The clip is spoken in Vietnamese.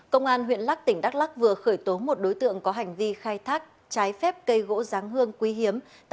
công an huyện lắc tỉnh đắk lắc vừa khởi tố một đối tượng có hành vi khai thác trái phép cây gỗ giáng hương quý hiếm